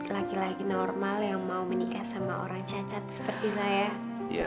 laki laki normal yang mau menikah sama orang cacat seperti saya